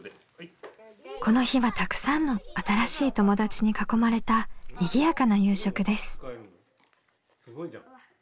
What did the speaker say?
この日はたくさんの新しい友達に囲まれたにぎやかな夕食です。